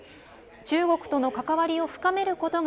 中国との関わりを深めることが